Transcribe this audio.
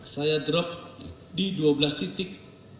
saya drop di dua belas titik